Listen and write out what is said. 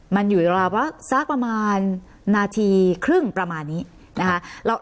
มันอยู่ราวสักประมาณนาทีครึ่งประมาณนี้นะคะ